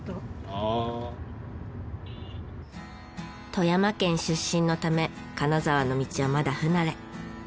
富山県出身のため金沢の道はまだ不慣れ。